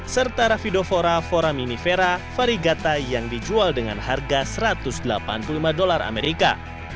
serta ravidofora foraminifera varigata yang dijual dengan harga satu ratus delapan puluh lima dolar amerika